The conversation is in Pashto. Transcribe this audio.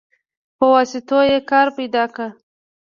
په واسطو يې کار پيدا که.